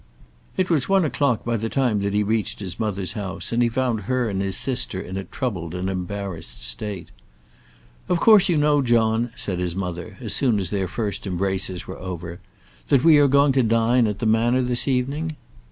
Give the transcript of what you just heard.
It was one o'clock by the time that he reached his mother's house, and he found her and his sister in a troubled and embarrassed state. "Of course you know, John," said his mother, as soon as their first embraces were over, "that we are going to dine at the Manor this evening?"